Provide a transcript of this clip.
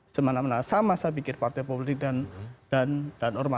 sama saya pikir partai politik dan ormas